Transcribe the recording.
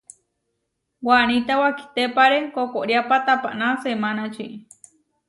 Waníta wakitépare koʼkoriápa tapaná semánači.